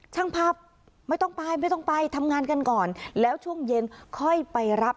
ช่างภาพไม่ต้องไปไม่ต้องไปทำงานกันก่อนแล้วช่วงเย็นค่อยไปรับ